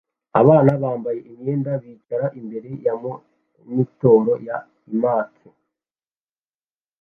Abana bambaye imyenda bicara imbere ya monitor ya iMac